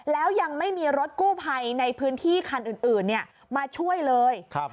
แล้วยังไม่มีรถกู้ภัยในพื้นที่คันอื่นอื่นเนี้ยมาช่วยเลยครับ